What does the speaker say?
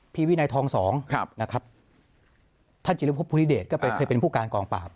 วินัยทองสองนะครับท่านจิริพบภูริเดชก็ไปเคยเป็นผู้การกองปราบ